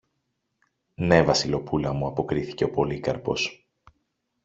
Ναι, Βασιλοπούλα μου, αποκρίθηκε ο Πολύκαρπος.